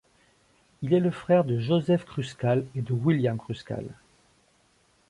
Il est frère de Joseph Kruskal et de William Kruskal.